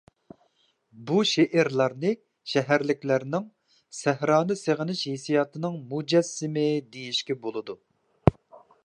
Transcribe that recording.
بۇ شېئىرلارنى شەھەرلىكلەرنىڭ سەھرانى سېغىنىش ھېسسىياتىنىڭ مۇجەسسىمى دېيىشكە بولىدۇ.